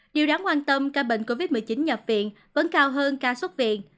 điều đáng quan tâm ca bệnh covid một mươi chín nhập viện vẫn cao hơn ca xuất viện